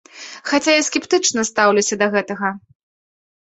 Хаця я скептычна стаўлюся да гэтага.